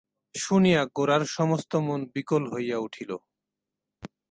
শুনিয়া গোরার সমস্ত মন বিকল হইয়া উঠিল।